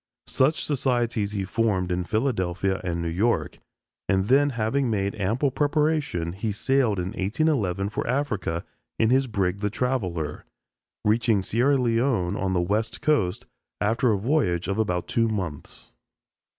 Such societies he formed in Philadelphia and New York, and then having made ample preparation he sailed in 1811 for Africa in his brig "The Traveller," reaching Sierra Leone on the West Coast after a voyage of about two months.